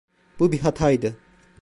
Bu bir hataydı.